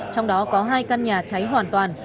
trong đó có hai căn nhà cháy hoàn toàn